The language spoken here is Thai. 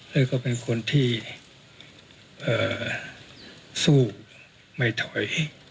แล้วก็เป็นคนที่สู้ไม่ถอย